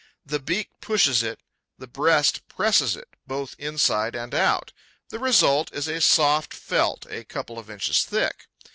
The beak pushes it, the breast presses it, both inside and out. The result is a soft felt a couple of inches thick.